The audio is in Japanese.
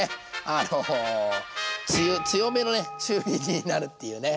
あの強めの中火になるっていうね。